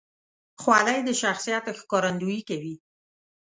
خولۍ د شخصیت ښکارندویي کوي.